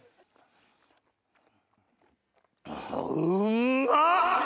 うんまっ！